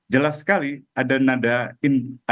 jelas sekali ada nada